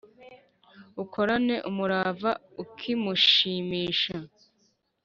ukorane umurava ikimushimisha